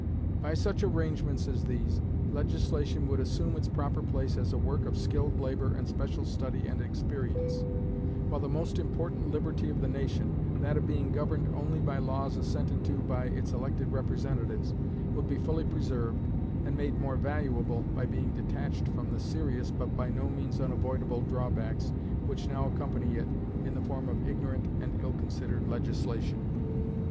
By such arrangements as these, legislation would assume its proper place as a work of skilled labor and special study and experience; while the most important liberty of the nation, that of being governed only by laws assented to by its elected representatives, would be fully preserved, and made more valuable by being detached from the serious, but by no means unavoidable drawbacks which now accompany it in the form of ignorant and ill considered legislation.